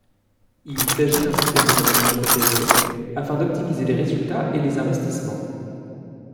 Il s’agit d’un système de Management Intégré afin d’optimiser les résultats et les investissements.